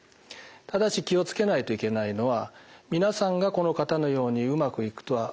ただし気を付けないといけないのは皆さんがこの方のようにうまくいくとは限らないわけですね。